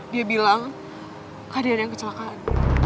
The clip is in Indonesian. dia bilang kak dian yang kecelakaan